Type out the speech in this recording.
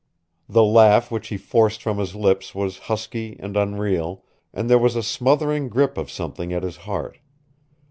The laugh which he forced from his lips was husky and unreal, and there was a smothering grip of something at his heart.